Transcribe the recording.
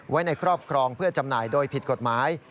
ไว้ในครอบครองเพื่อจำหน่ายโดยผิดกฎหมาย